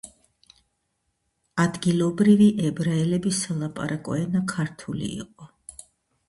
ადგილობრივი ებრაელების სალაპარაკო ენა ქართული იყო.